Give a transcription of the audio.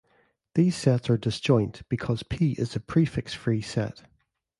These sets are disjoint because "P" is a prefix-free set.